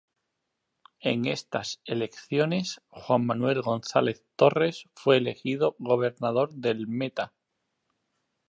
En estas elecciones Juan Manuel González Torres fue elegido gobernador del Meta.